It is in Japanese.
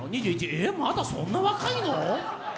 えっ、まだそんな若いの？